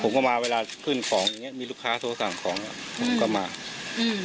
เข้ามาเวลาขึ้นของอย่างเงี้มีลูกค้าโทรสั่งของเนี้ยผมก็มาอืม